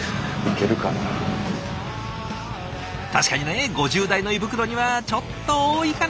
確かにね５０代の胃袋にはちょっと多いかな。